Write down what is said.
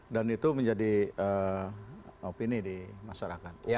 dan itu menjadi opini di masyarakat